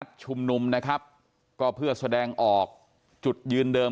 ชุมนุมนะครับก็เพื่อแสดงออกจุดยืนเดิม